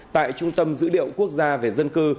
tại trung tâm dữ liệu quốc gia về dân cư